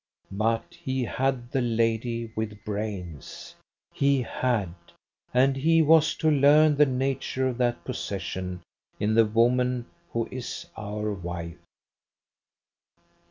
But he had the lady with brains! He had: and he was to learn the nature of that possession in the woman who is our wife.